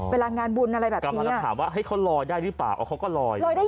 กลางมาถามว่าให้เขาลอยได้หรือเปล่าเขาก็ลอย